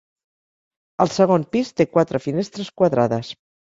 El segon pis té quatre finestres quadrades.